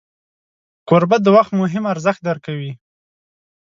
کوربه د وخت مهم ارزښت درک کوي.